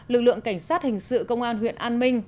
lực lượng cảnh sát hình sự công an huyện an minh